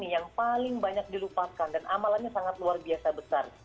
yang paling banyak dilupakan dan amalannya sangat luar biasa besar